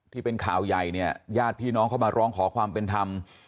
ที่เป็นข่าวใหญ่เนี่ยญาติพี่น้องเข้ามาร้องขอความเป็นธรรม